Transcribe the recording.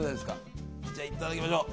じゃあ、いただきましょう。